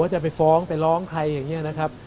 จะไปฟ้องไปร้องใครอย่างนี้นะครับ